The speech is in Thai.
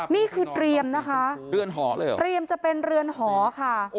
นี่คือเรียมนะคะเตรียมจะเป็นเรือนหอค่ะ